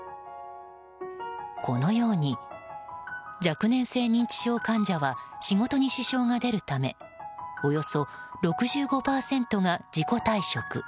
このように若年性認知症患者は仕事に支障が出るためおよそ６５％が自己退職